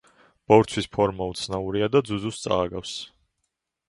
ბორცვის ფორმა უცნაურია და ძუძუს წააგავს.